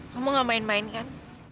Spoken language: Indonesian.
kamu gak main main kan